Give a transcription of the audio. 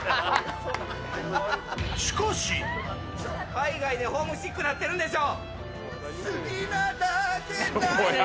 海外でホームシックになってるんでしょ。